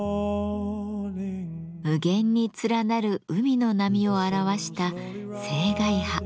無限に連なる海の波を表した「青海波」。